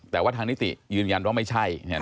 แต่ว่าทางนิติยืนยันว่าไม่ใช่